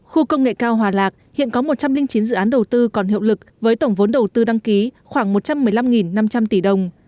khu công nghệ cao hòa lạc hiện có một trăm linh chín dự án đầu tư còn hiệu lực với tổng vốn đầu tư đăng ký khoảng một trăm một mươi năm năm trăm linh tỷ đồng